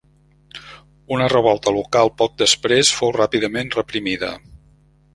Una revolta local poc després fou ràpidament reprimida.